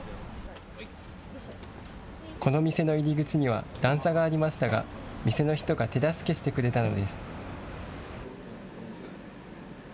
この店の入り口には段差がありましたが店の人が手助けしてくれたのです。